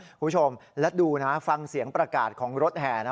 คุณผู้ชมและดูนะฟังเสียงประกาศของรถแห่นะ